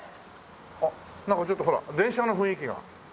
あっなんかちょっとほら電車の雰囲気が。